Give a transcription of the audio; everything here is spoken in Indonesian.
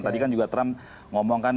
tadi kan juga trump ngomong kan